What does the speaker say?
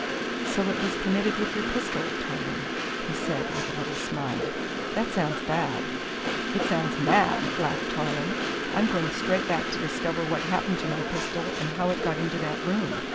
"So it was committed with your pistol, Tarling?" he said with a little smile. "That sounds bad." "It sounds mad," laughed Tarling. "I'm going straight back to discover what happened to my pistol and how it got into that room.